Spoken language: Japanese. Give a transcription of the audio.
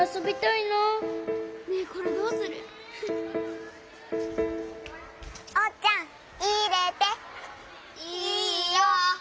いいよ！